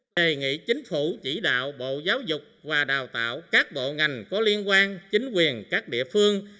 đề nghị chính phủ chỉ đạo bộ giáo dục và đào tạo các bộ ngành có liên quan chính quyền các địa phương